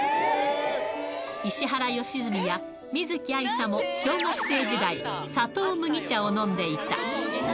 石原良純や観月ありさも、小学生時代、砂糖麦茶を飲んでいた。